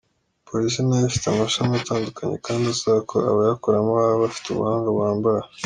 Polisi nayo ifite amashami atandukanye kandi asaba ko abayakoramo baba bafite ubuhanga buhambaye.